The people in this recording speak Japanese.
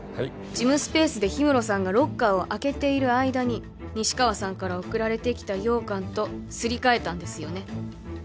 事務スペースで氷室さんがロッカーを開けている間に西川さんから送られてきた羊羹とすり替えたんですよね